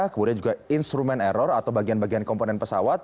kemudian juga instrumen error atau bagian bagian komponen pesawat